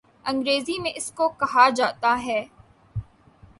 انگریزی میں اس کو کہا جاتا ہے